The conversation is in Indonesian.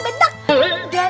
bentak bentak bentak